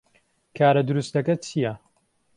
کارە دروستەکە چییە؟